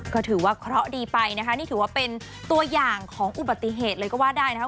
ก็ถือว่าเคราะห์ดีไปนะคะนี่ถือว่าเป็นตัวอย่างของอุบัติเหตุเลยก็ว่าได้นะคะ